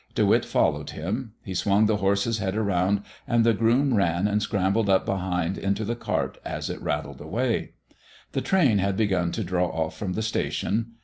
De Witt followed him; he swung the horse's head around, and the groom ran and scrambled up behind into the cart as it rattled away. The train had begun to draw off from the station.